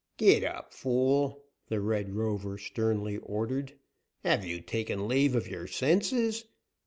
"Get up, fool!" the Red Rover sternly ordered. "Have you taken leave of your senses?